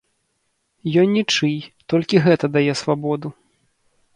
Ён нічый, толькі гэта дае свабоду.